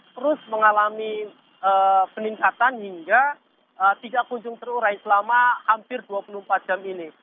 terus mengalami peningkatan hingga tidak kunjung terurai selama hampir dua puluh empat jam ini